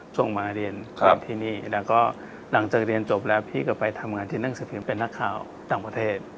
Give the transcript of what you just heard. ช่วงมาเรียนที่นี่แล้วก็หลังจากเรียนจบแล้วพี่ก็ไปทำงานที่หนังสือพิมพ์เป็นนักข่าวต่างประเทศ